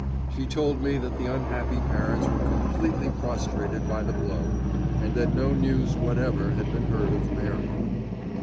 She told me that the unhappy parents were completely prostrated by the blow, and that no news whatever had been heard of Mary.